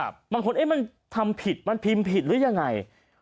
บางคนเอ๊ะมันทำผิดมันพิมพ์ผิดหรือยังไง